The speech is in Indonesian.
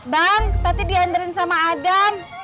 bang tadi dianderin sama adam